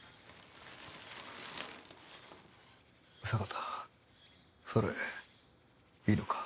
坂田それいいのか？